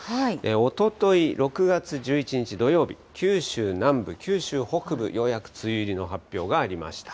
おととい６月１１日土曜日、九州南部、九州北部、ようやく梅雨入りの発表がありました。